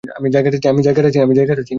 আমি জায়গাটা চিনি।